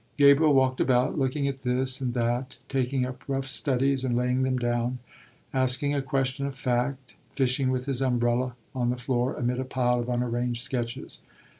Gabriel walked about, looking at this and that, taking up rough studies and laying them down, asking a question of fact, fishing with his umbrella, on the floor, amid a pile of unarranged sketches.